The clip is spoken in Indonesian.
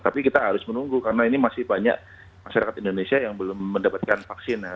tapi kita harus menunggu karena ini masih banyak masyarakat indonesia yang belum mendapatkan vaksin